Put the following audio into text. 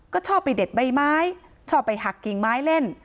ก็ชอบไปเด็ดใบไม้ชอบไปหักกิ่งไม้เล่น